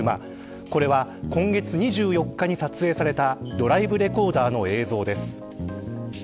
これは、今月２４日に撮影されたドライブレコーダーの映像です。